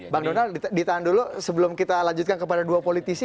bang donald ditahan dulu sebelum kita lanjutkan kepada dua politisi